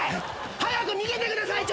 早く逃げてくださいちょっと！